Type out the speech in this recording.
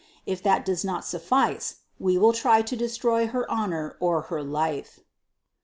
If that does not suffice, we will try to destroy her honor or her life." 693.